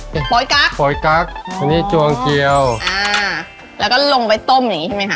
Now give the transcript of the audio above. เป็นโป๊ยกั๊กโป๊ยกั๊กอันนี้จวงเกียวอ่าแล้วก็ลงไปต้มอย่างงี้ใช่ไหมค